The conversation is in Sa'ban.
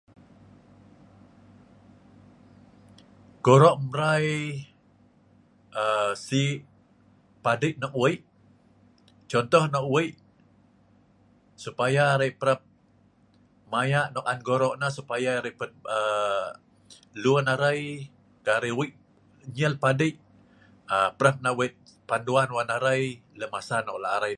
Gorok emrai aa.. sik padeik nok weik contoh nok weik supaya arei parap mayak nok on gorok neh supaya arei parap mayak nok on gorok neh aa.. lun arei dari weik enyel padeik aa.. breh neh weik panduan wan arei lem masa nok lak arei